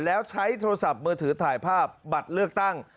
แล้วใช้โทรศัพท์มือถือถ่ายภาพบัตรเลือกตั้ง